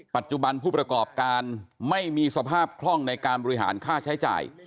ปัจจุบันผู้ประกอบการไม่มีสภาพคล่องในการบริหารค่าใช้จ่าย